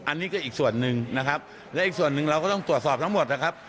อันนี้ก็อีกส่วนหนึ่งนะครับและอีกส่วนหนึ่งเราก็ต้องตรวจสอบทั้งหมดนะครับ